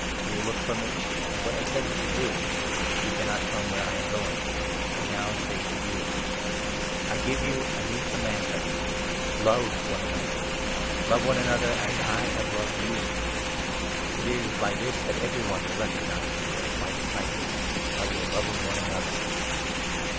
You will look for me ; and what I said to the Jews —' You cannot come where I am going '— I now say to you. I give you a new command 34 ment — Love one another ; love one another as I have loved you. It is by this that every one will recognize you as my 35 disciples — by your loving one another."